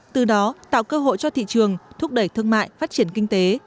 từ đó tạo cơ hội cho thị trường thúc đẩy thương mại phát triển kinh tế